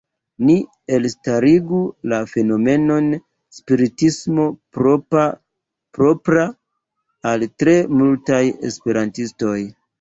Ni elstarigu la fenomenon “spiritismo propra al tre multaj esperantistoj.